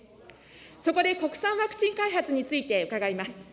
そこで国産ワクチン開発について伺います。